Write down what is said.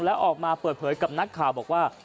แล้วออกมาเปิดเผยกับนักข่าวบอกว่า